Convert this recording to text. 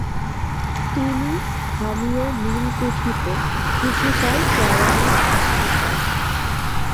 তিনি স্থানীয় নীলকুঠিতে কিছুকাল কেরানির চাকরি করেন।